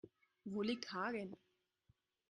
Wo liegt Hagen?